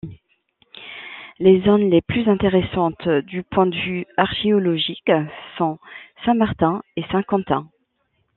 Les zones les plus intéressantes du point de vue archéologique sont Saint-Martin et Saint-Quentin.